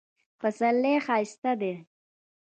پسرلی ښایسته ده